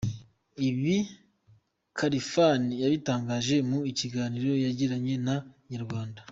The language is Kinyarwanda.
Ibi Khalfan yabitangaje mu kiganiro yagiranye na Inyarwanda.